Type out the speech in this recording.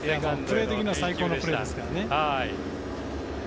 プレー的には最高のプレーですから。